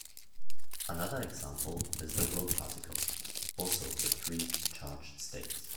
Another example is the "rho particle", also with three charged states.